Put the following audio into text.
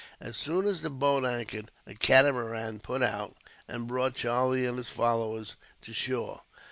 As soon as the boat anchored, a catamaran put out, and brought Charlie and his followers to shore.